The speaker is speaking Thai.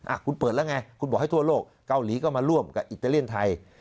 อ่ะคุณเปิดแล้วไงคุณบอกให้ทั่วโลกเกาหลีก็มาร่วมกับอิตาเลียนไทย